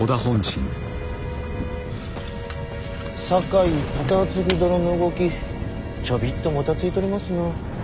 酒井忠次殿の動きちょびっともたついとりますな。